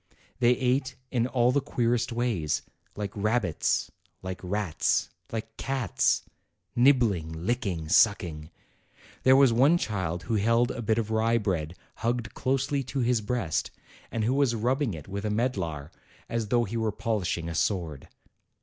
They ate in all the queerest ways, like rabbits, like rats, like cats, nibbling, licking, sucking. There was one child who held a bit of rye bread hugged closely to his breast, and who was rubbing it with a medlar, as though he were polishing a sword.